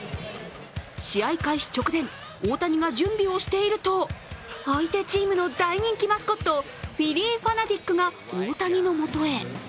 試合開始直前、大谷が準備をしていると相手チームの大人気マスコットフィリー・ファナティックが大谷のもとへ。